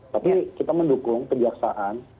tapi kita mendukung kejaksaan